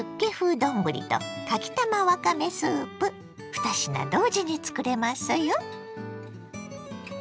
２品同時につくれますよ。